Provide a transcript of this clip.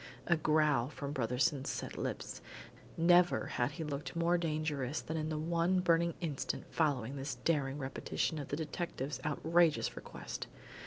A growl from Brotherson's set lips. Never had he looked more dangerous than in the one burning instant following this daring repetition of the detective's outrageous request.